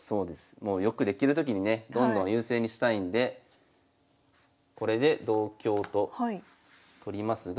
もう良くできるときにねどんどん優勢にしたいんでこれで同香と取りますが。